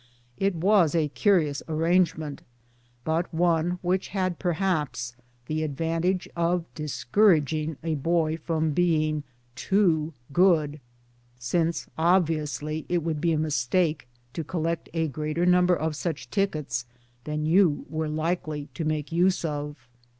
It was a curious arrangement, but one which had perhaps the advantage of dis couraging a boy from being too good since obviously it would be a mistake to collect a greater number of such tickets than you were likely to make use of.